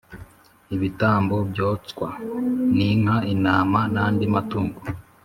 ibitambo byoswa ninka intama nandi matungo